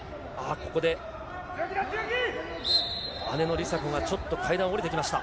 ここで、姉の梨紗子がちょっと階段を下りてきました。